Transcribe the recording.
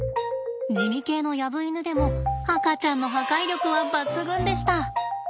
地味系のヤブイヌでも赤ちゃんの破壊力は抜群でした。